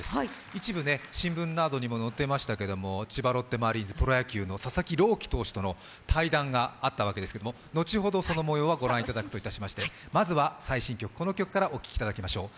一部新聞などにも載ってましたけど、千葉ロッテマリーンズ、佐々木朗希選手との対談があったわけですけども、のちほどその模様は御覧いただくとしまして、まずは最新曲からお聴きいただきましょう。